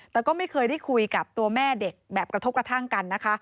แต่ก็ไม่เคยได้คุยกับตัวแม่เด็กแบบกระทบกระทั่งกันนะคะ